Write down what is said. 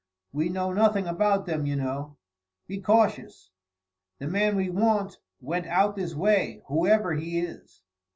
We know nothing about them, you know. Be cautious. The man we want went out this way, whoever he is."